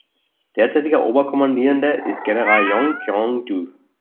Derzeitiger Oberkommandierender ist General Jeong Kyeong-du.